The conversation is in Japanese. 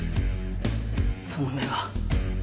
その目は。